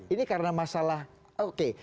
ini karena masalah oke